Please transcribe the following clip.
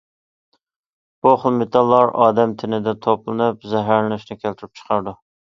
بۇ خىل مېتاللار ئادەم تېنىدە توپلىنىپ، زەھەرلىنىشنى كەلتۈرۈپ چىقىرىدۇ.